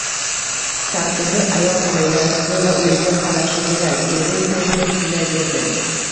Tartibli ayol oilasi va uyiga qarashi kerak, eri tez-tez shunday derdi